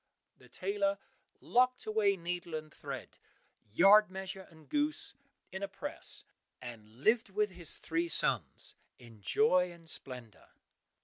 The tailor locked away needle and thread, yard measure and goose, in a press, and lived with his three sons in joy and splendour.